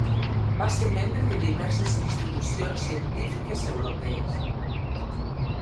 Va ser membre de diverses institucions científiques europees.